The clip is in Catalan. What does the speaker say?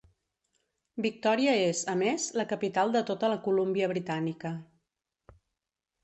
Victòria és, a més, la capital de tota la Colúmbia Britànica.